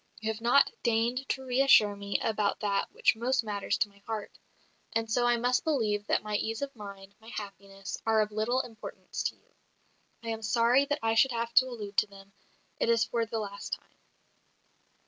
You have not deigned to reassure me about that which most matters to my heart. And so I must believe that my ease of mind, my happiness, are of little importance to you. I am sorry that I should have to allude to them; it is for the last time."